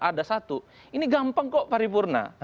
ada satu ini gampang kok pari purna